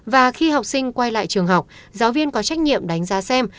và khi học sinh quay lại trường học giáo viên có trách nhiệm đánh giá xem